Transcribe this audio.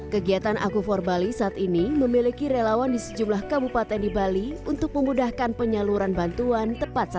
kegiatan aku for bali saat ini memiliki relawan di sejumlah kabupaten di bali untuk memudahkan penyaluran bantuan tepat sasaran